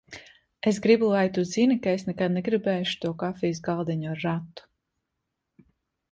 Es gribu, lai tu zini, ka es nekad negribēšu to kafijas galdiņu ar ratu.